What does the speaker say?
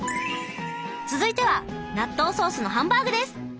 続いては納豆ソースのハンバーグです！